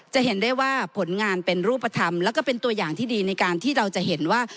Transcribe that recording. จะเห็นได้ว่าผลงานเป็นรูปธรรมแล้วก็เป็นตัวอย่างที่ดีในการที่เราจะเห็นว่า